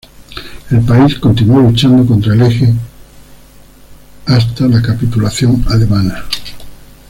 El país continuó luchando contra del Eje hasta la capitulación alemana.